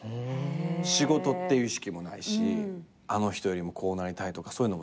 仕事っていう意識もないしあの人よりもこうなりたいとかそういうのもなかった。